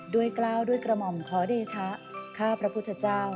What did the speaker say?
กล้าวด้วยกระหม่อมขอเดชะข้าพระพุทธเจ้า